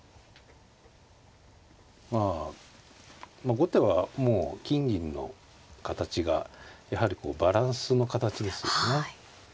まあ後手はもう金銀の形がやはりバランスの形ですよね。